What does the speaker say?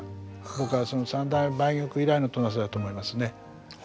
僕はその三代目梅玉以来の戸無瀬だと思いますね。